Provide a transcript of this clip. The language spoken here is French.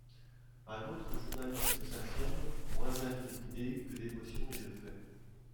Un autre journalisme s’affirme, moins avide d’idées que d’émotions et de faits.